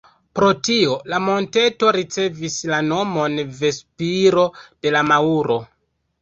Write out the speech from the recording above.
Pro tio la monteto ricevis la nomon "Ve-spiro de la maŭro".